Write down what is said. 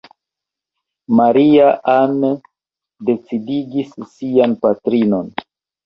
Maria-Ann decidigis sian patrinon.